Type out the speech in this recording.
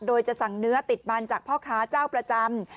โดยจะสั่งเนื้อติดมันจากพ่อค้าเจ้าประจำ